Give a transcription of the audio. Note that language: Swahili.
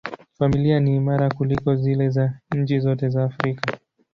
Familia ni imara kuliko zile za nchi zote za Afrika.